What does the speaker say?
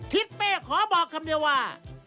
ทิศเป้ขอบอกคำเดียวว่า